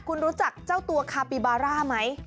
คุณรู้จักเจ้าตัวคาปิบาร่าไหม